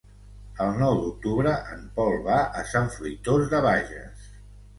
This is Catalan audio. El nou d'octubre en Pol va a Sant Fruitós de Bages.